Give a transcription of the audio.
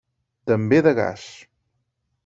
També de gas.